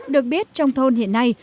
được biết trong thôn hiện nay